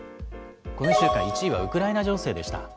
この１週間、１位はウクライナ情勢でした。